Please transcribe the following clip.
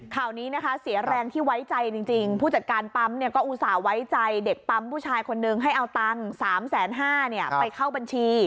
ข่าวนี้นะคะเสียแรงที่ไว้ใจจริงผู้จัดการปั๊มเนี่ยก็อุตส่าห์ไว้ใจเด็กปั๊มผู้ชายคนนึงให้เอาตังค์๓๕๐๐บาทไปเข้าบัญชี